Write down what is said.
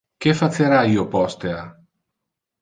Que facera io postea?